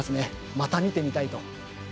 また見てみたいと。